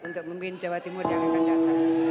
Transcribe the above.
untuk memimpin jawa timur yang akan datang